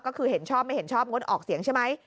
ก็คือเห็นชอบไม่เห็นชอบงดออกเสียงใช่ไหม